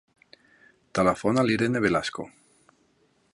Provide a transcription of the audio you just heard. Telefona a l'Irene Velasco.